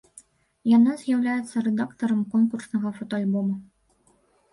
Яна з'яўляецца рэдактарам конкурснага фотаальбома.